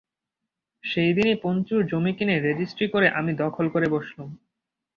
সেইদিনই পঞ্চুর জমি কিনে রেজেস্ট্রী করে আমি দখল করে বসলুম।